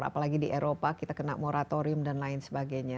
apalagi di eropa kita kena moratorium dan lain sebagainya